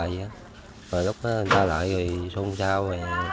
rồi lúc ta lại thì sôn sao